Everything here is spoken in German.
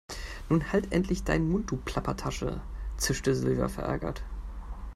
Nun halt endlich deinen Mund, du Plappertasche, zischte Silvia verärgert.